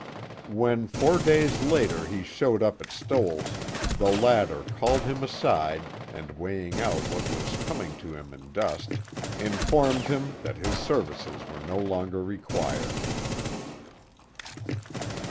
When, four days later he showed up at Stoell's, the latter called him aside and weighing out what was coming to him in dust, informed him that his services were no longer required.